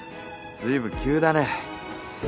ずいぶん急だね。